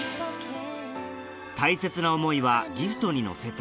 大切な思いはギフトに乗せて